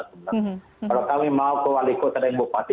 kalau kami mau ke wali kota dan bupati